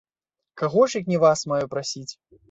Каго ж, як не вас, маю прасіць?